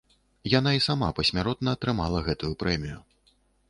Яна і сама пасмяротна атрымала гэтую прэмію.